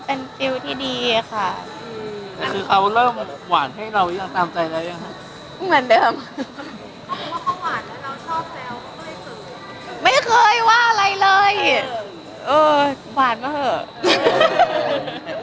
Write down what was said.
อุ้มติดดาวแล้วก็ไม่หวานอีกเหรอ